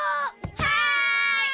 はい！